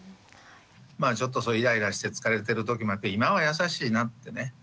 まあちょっとイライラして疲れてるときもあって今は優しいなってね